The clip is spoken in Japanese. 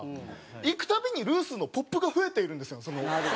行くたびにルースのポップが増えているんですよその。